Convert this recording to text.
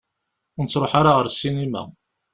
Ur nettruḥ ara ɣer ssinima.